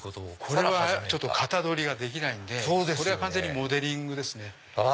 これはかたどりができないんで完全にモデリングですね。